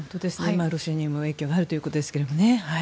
ロシアにも影響があるということですけどね。